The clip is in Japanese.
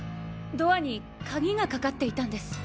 ドアに鍵がかかっていたんです。